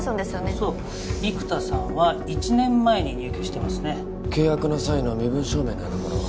そう生田さんは１年前に入居してますね契約の際の身分証明のようなものは？